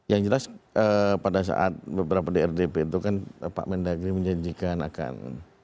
yang jelas pada saat beberapa drdp itu kan pak mendagri menjanjikan akan